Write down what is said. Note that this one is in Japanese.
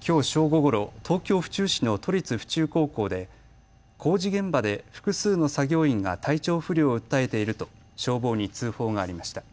きょう正午ごろ、東京府中市の都立府中高校で工事現場で複数の作業員が体調不良を訴えていると消防に通報がありました。